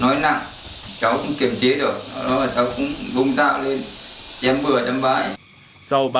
nói là cháu cũng vung dao lên chém vừa chăm bái